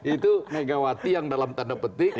itu megawati yang dalam tanda petik